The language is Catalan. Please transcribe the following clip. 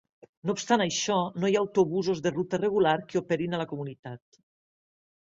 No obstant això, no hi ha autobusos de ruta regular que operin a la comunitat.